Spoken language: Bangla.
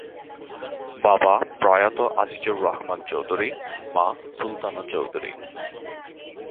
বাবা প্রয়াত আজিজুর রহমান চৌধুরী, মা সুলতানা চৌধুরী।